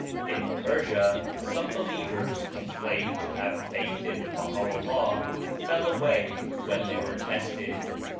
In Persia some believers who claimed to have Faith in Baha'i/llah fell away when they were tested.